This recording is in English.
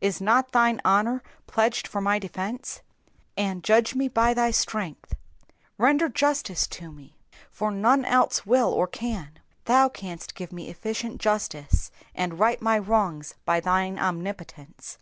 Is not thine honour pledged for my defence ?^*' And judge me by thy strength.'''' Render justice to me, for none else will or can. Thou canst give me efficient justice, and right my wrongs by thine omnipotence.